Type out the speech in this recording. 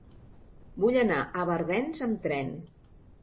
Vull anar a Barbens amb tren.